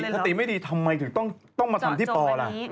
ถ้าตีไม่ดีทำไมถึงต้องมาทำที่ปอล่ะ